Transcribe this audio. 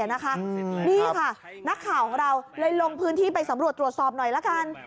นี่ค่ะนักข่าวของเราเลยลงพื้นที่ไปสำรวจตรวจสอบหน่อยละกัน